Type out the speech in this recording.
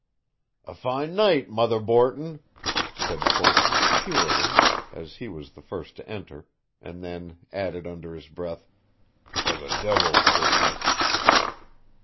"A fine night, Mother Borton," said Corson cheerily, as he was the first to enter, and then added under his breath, " for the divil's business."